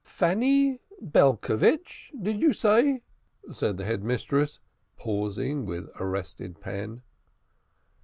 "Fanny Belcovitch, did you say?" said the Head Mistress, pausing with arrested pen.